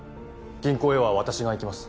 銀行へは私が行きます